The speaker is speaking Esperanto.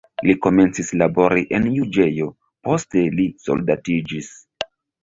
Li komencis labori en juĝejo, poste li soldatiĝis.